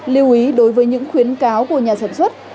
lưu ý đối với những khuyến cáo của nhà sản xuất